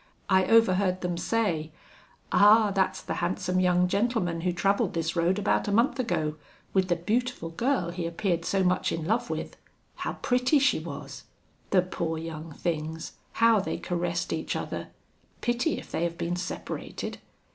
I overheard them say, 'Ah! that's the handsome young gentleman who travelled this road about a month ago, with the beautiful girl he appeared so much in love with! How pretty she was! The poor young things, how they caressed each other! Pity if they have been separated!'